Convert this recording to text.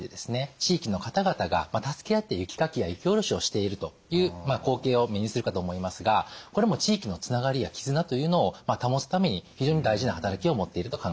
地域の方々が助け合って雪かきや雪下ろしをしているという光景を目にするかと思いますがこれも地域のつながりや絆というのを保つために非常に大事な働きを持っていると考えられます。